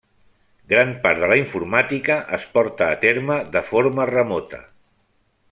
Gran part de la informàtica es porta a terme de forma remota.